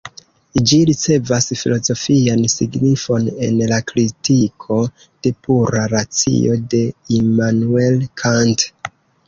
Ĝi ricevas filozofian signifon en la Kritiko de Pura Racio de Immanuel Kant.